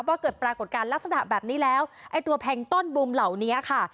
เกิดปรากฏการณ์ลักษณะแบบนี้แล้วไอ้ตัวแพงต้นบุมเหล่านี้ค่ะ